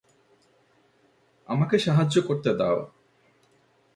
আমাকে সাহায্য করতে দাও।